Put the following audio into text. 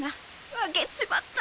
負けちまった！